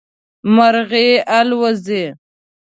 مرغی الوزي